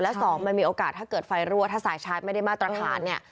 และสองมันมีโอกาสถ้าเกิดไฟรั่วถ้าสายชาร์จไม่ได้มาตรฐานเนี่ย